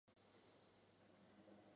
原上殿地基上已建民房二幢。